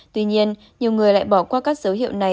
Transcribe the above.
tuy nhiên nhiều người lại bỏ qua các dấu hiệu này